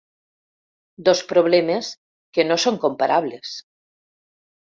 Dos problemes que no són comparables.